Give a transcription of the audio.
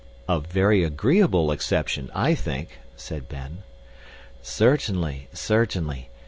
"A very agreeable exception, I think," said Ben. "Certainly, certainly.